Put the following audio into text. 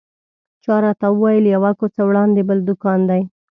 چا راته وویل یوه کوڅه وړاندې بل دوکان دی.